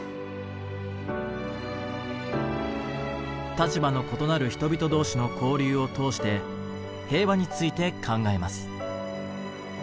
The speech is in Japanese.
立場の異なる人々同士の交流を通して平和について考えます。